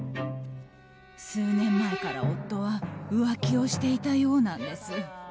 数年前から夫は浮気をしていたようなんです。